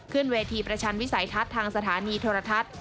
ขึ้นเวทีประชันวิสัยทัศน์ทางสถานีโทรทัศน์